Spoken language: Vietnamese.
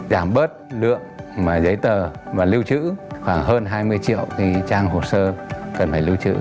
giảm bớt lượng giấy tờ mà lưu trữ khoảng hơn hai mươi triệu trang hồ sơ cần phải lưu trữ